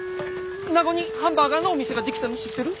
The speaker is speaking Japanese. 名護にハンバーガーのお店が出来たの知ってる？